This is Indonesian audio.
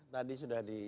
tadi sudah disinggung